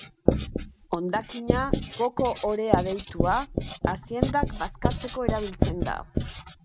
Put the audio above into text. Hondakina, koko-orea deitua, aziendak bazkatzeko erabiltzen da.